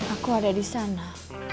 aku ada di sana